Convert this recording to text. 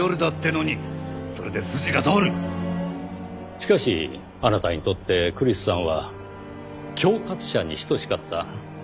しかしあなたにとってクリスさんは恐喝者に等しかった。